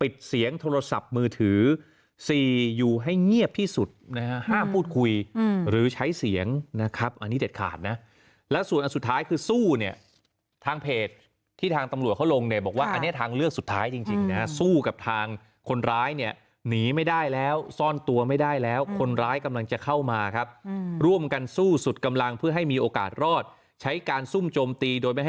เสียงโทรศัพท์มือถือสี่อยู่ให้เงียบที่สุดนะฮะห้ามพูดคุยหรือใช้เสียงนะครับอันนี้เด็ดขาดนะแล้วส่วนอันสุดท้ายคือสู้เนี่ยทางเพจที่ทางตำรวจเขาลงเนี่ยบอกว่าอันนี้ทางเลือกสุดท้ายจริงนะฮะสู้กับทางคนร้ายเนี่ยหนีไม่ได้แล้วซ่อนตัวไม่ได้แล้วคนร้ายกำลังจะเข้ามาครับร่วมกันสู้สุดกำลังเพื่อให้มีโอกาสรอดใช้การซุ่มโจมตีโดยไม่ให้